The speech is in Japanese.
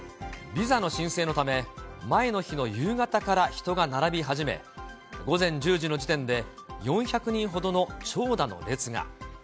ーびざのしんせいのため前の日の夕方から人が並び始め、午前１０時の時点で、４００人ほどの長蛇の列が。